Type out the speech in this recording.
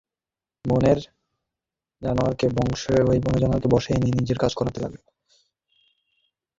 বনের জানোয়ারকে বশে এনে নিজের কাজ করতে লাগল।